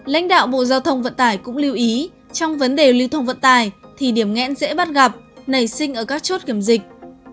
lãnh đạo bộ giao thông vận tải cũng lưu ý trong vấn đề lưu thông vận tải thì điểm nghẽn dễ bắt gặp nảy sinh ở các chốt kiểm dịch